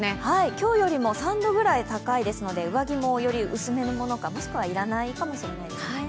今日よりも３度ぐらい高いですので、上着も、より薄めのものかもしくは要らないかもしれないですね。